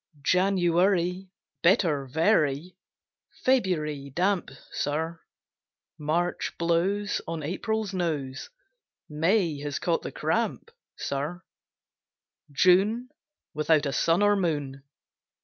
JANUARY, Bitter, very! February damp, Sir; March blows On April's nose, May has caught the cramp, Sir; June, Without a sun or moon!